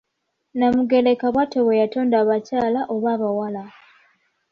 Nnamugereka bwatyo bwe yatonda abakyala oba abawala.